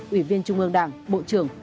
ủy viên trung ương đảng bộ trưởng